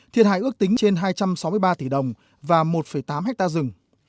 thiệt hại ước tính trên hai trăm sáu mươi ba tỷ đồng và một tám hectare rừng